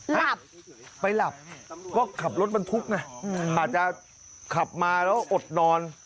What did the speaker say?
หา๊ะไปหลับก็ขับรถมันทุกข์นะอาจจะขับมาแล้วอดนอน